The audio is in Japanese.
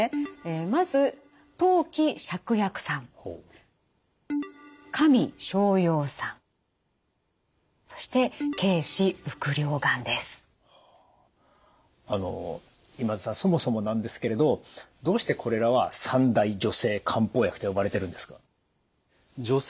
まずそしてあの今津さんそもそもなんですけれどどうしてこれらは三大女性漢方薬と呼ばれているんですか？